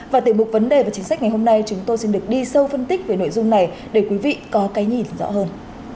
và tiểu mục vấn đề và chính sách ngày hôm nay chúng tôi xin được đi sâu phân tích về nội dung này để quý vị có cái nhìn rõ hơn